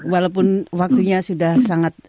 walaupun waktunya sudah sangat